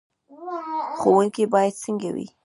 ښوونکی باید څنګه وي؟